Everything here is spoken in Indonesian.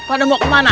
pada mau kemana